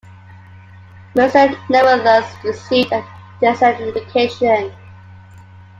Mercier nevertheless received a decent education.